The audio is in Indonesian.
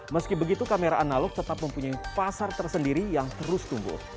meski begitu kamera analog tetap mempunyai pasar tersendiri yang terus tumbuh